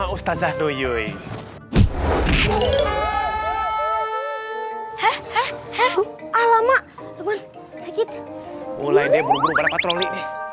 kita zahdo yoi hehehe hehehe alamak teman teman sakit mulai deh burung burung patroli